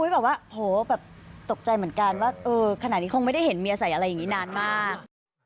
ก็ตกใจเหมือนกันว่าว่าขนาดนี้คงไม่ได้เห็นเมียใส่อะไรนี้นานมาก